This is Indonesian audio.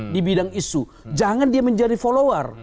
di bidang isu jangan dia menjadi follower